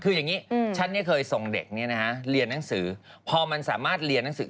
คืออย่างนี้ฉันเนี่ยเคยส่งเด็กเรียนหนังสือพอมันสามารถเรียนหนังสือ